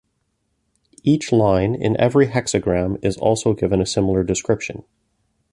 Each line in every hexagram is also given a similar description.